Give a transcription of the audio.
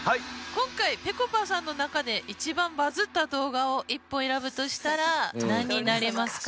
今回ぺこぱさんの中で一番バズった動画を１本選ぶとしたら何になりますか？